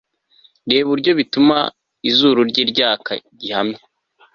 Reba uburyo bituma izuru rye ryaka gihamya